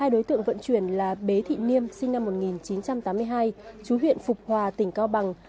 hai đối tượng vận chuyển là bế thị niêm sinh năm một nghìn chín trăm tám mươi hai chú huyện phục hòa tỉnh cao bằng